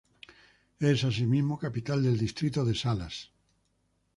Es asimismo capital del distrito de Salas.